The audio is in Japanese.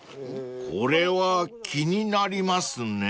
［これは気になりますね］